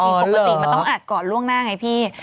ปกติมันต้องอัดก่อนล่วงหน้าไงพี่